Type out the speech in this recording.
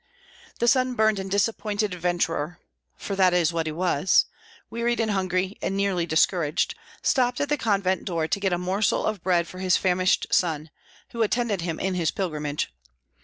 The sun burned and disappointed adventurer (for that is what he was), wearied and hungry, and nearly discouraged, stopped at the convent door to get a morsel of bread for his famished son, who attended him in his pilgrimage.